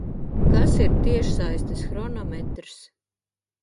Kas ir tiešsaistes hronometrs?